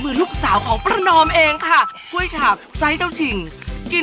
ดูแล้วคงไม่รอดเพราะเราคู่กัน